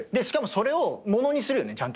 しかもそれをものにするよね。